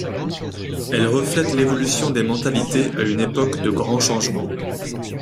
Elle reflète l'évolution des mentalités à une époque de grand changement.